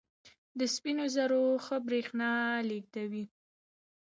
د سپینو زرو ښه برېښنا لېږدوي.